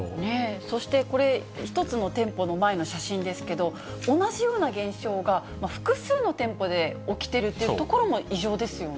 そしてこれ、１つの店舗の前の写真ですけど、同じような現象が、複数の店舗で起きてるっていうところも異常ですよね。